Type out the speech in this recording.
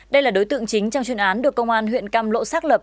đây là đối tượng chính trong chuyên án được công an huyện cam lộ xác lập